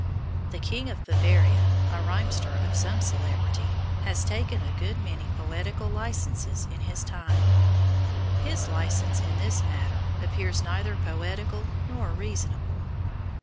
The king of Bavaria, a rhymester of some celebrity, has taken a good many poetical licences in his time. His licence in this matter appears neither poetical nor reasonable.